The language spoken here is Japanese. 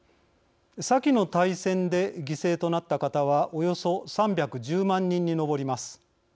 先の大戦で犠牲となった方はおよそ３１０万人に上ります。